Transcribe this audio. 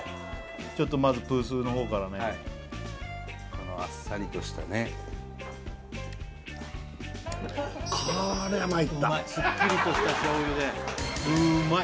ちょっとまずプースーの方からねこのあっさりとしたねうまいすっきりとした醤油でうまい！